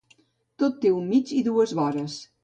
Tot té un mig i dues vores.